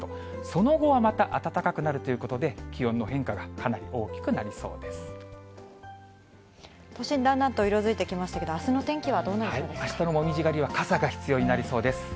その後はまた暖かくなるということで、気温の変化がかなり大きく都心、だんだんと色づいてきましたけど、あすの天気はどうなりそうですか？